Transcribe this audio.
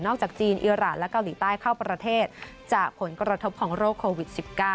จากจีนอิราณและเกาหลีใต้เข้าประเทศจากผลกระทบของโรคโควิด๑๙